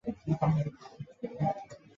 松二糖是一种还原性二糖。